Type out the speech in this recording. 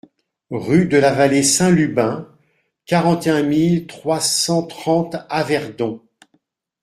Rue de la Vallée Saint-Lubin, quarante et un mille trois cent trente Averdon